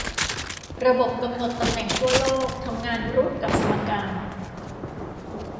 ระบบกำหนดตำแหน่งทั่วโลกทำงานร่วมกับสมการ